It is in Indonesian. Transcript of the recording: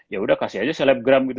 ya udah kasih aja selebgram gitu